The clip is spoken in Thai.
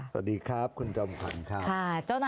สวัสดีครับคุณจอมขวัญครับ